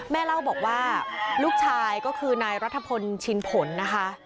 เล่าบอกว่าลูกชายก็คือนายรัฐพลชินผลนะคะ